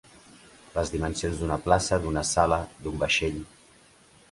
Les dimensions d'una plaça, d'una sala, d'un vaixell.